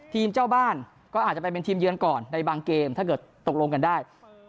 ทีมเจ้าบ้านก็อาจจะไปเป็นทีมเยือนก่อนในบางเกมถ้าเกิดตกลงกันได้